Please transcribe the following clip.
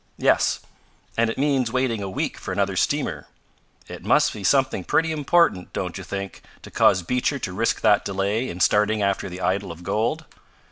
"Yes. And it means waiting a week for another steamer. It must be something pretty important, don't you think, to cause Beecher to risk that delay in starting after the idol of gold?"